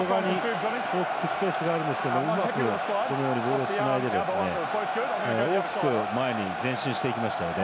スペースがあるんですけどうまくボールつないで大きく前に前進していきましたよね。